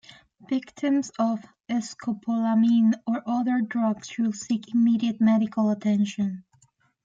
Victims of scopolamine or other drugs should seek immediate medical attention.